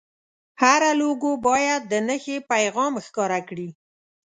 هره لوګو باید د نښې پیغام ښکاره کړي.